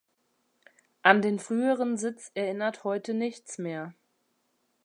An den früheren Sitz erinnert heute nichts mehr.